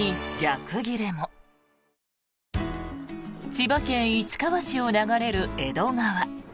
千葉県市川市を流れる江戸川。